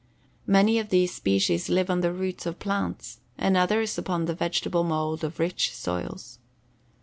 Many of these species live on the roots of plants and others upon the vegetable mold of rich soils.